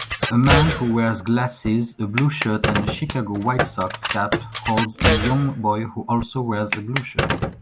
A man who wears glasses a blue shirt and a Chicago White Sox cap holds a young boy who also wears a blue shirt